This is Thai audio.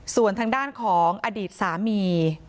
ส่วนทางด้านของอดีตสามี